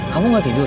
kamu nggak tidur